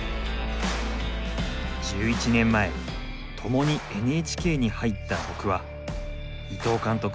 １１年前共にＮＨＫに入った僕は伊藤監督